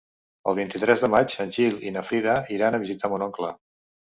El vint-i-tres de maig en Gil i na Frida iran a visitar mon oncle.